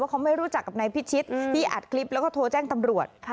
เขาไม่รู้จักกับนายพิชิตที่อัดคลิปแล้วก็โทรแจ้งตำรวจ